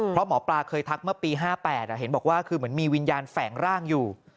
เพราะหมอปลาเคยทักเมื่อปี๕๘เห็นบอกว่าคือเหมือนมีวิญญาณแฝงร่างอยู่